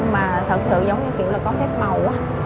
mà thật sự giống như kiểu là con thép màu quá